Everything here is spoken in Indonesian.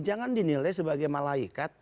jangan dinilai sebagai malaikat